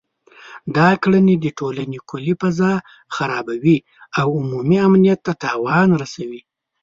دا کړنې د ټولنې کلي فضا خرابوي او عمومي امنیت ته تاوان رسوي